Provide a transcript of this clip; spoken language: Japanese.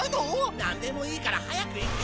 なんでもいいから早く行け！